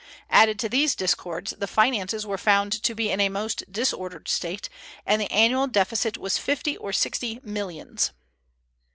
Added to these discords, the finances were found to be in a most disordered state, and the annual deficit was fifty or sixty millions.